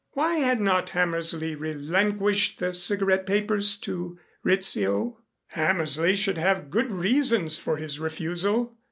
Why had not Hammersley relinquished the cigarette papers to Rizzio? Hammersley should have good reasons for his refusal.